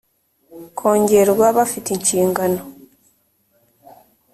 Kongerwa bafite inshingano